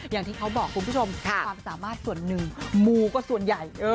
อย่างที่เขาบอกคุณผู้ชมความสามารถส่วนหนึ่งมูก็ส่วนใหญ่